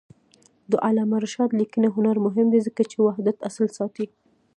د علامه رشاد لیکنی هنر مهم دی ځکه چې وحدت اصل ساتي.